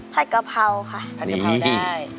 กะเพราค่ะผัดกะเพราได้